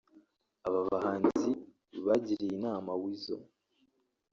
Aba bahanzi bagiriye inama Weasel